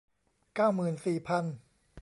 เก้าหมื่นสี่พัน